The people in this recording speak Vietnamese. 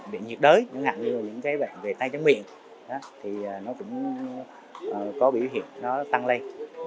bệnh nhiệt đới những cái bệnh về tay chăm miệng thì nó cũng có biểu hiện nó tăng lên